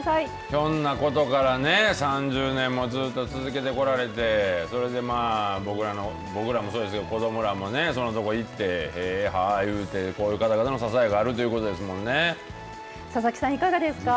ひょんなことからね３０年もずっと続けてこられてそれで僕らもそうですけど子どもらもねそんなとこ行ってああいう方々の支えがあるということですよね。